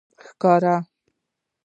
ښکاری